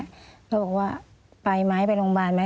เขาบอกว่าไปไหมไปโรงพยาบาลไหม